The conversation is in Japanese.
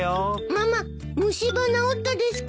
ママ虫歯治ったですか？